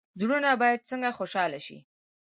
زړونه باید څنګه خوشحاله شي؟